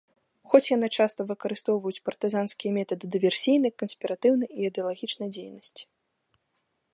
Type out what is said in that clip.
Хоць яны часта выкарыстоўваюць партызанскія метады дыверсійнай, канспіратыўнай і ідэалагічнай дзейнасці.